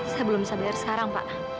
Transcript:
saya belum bisa bayar sekarang pak